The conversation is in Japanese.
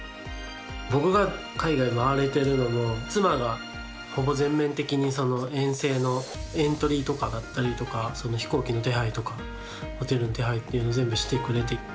僕が海外を回れてるのも妻が、ほぼ全面的に遠征のエントリーとかだったりとか飛行機の手配とかホテルの手配っていうの全部してくれて。